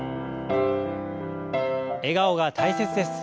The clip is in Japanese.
笑顔が大切です。